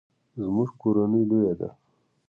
زموږ کورنۍ لویه ده